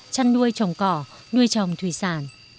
chăn nuôi trồng cỏ nuôi trồng thủy sản